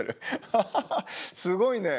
ハハハすごいね。